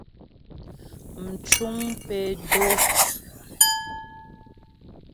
Mcuŋ pé dó.